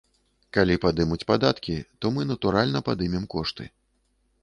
Калі падымуць падаткі, то мы, натуральна, падымем кошты.